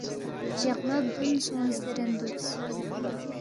، جقمہ بدون سونگس زیرین دُوکس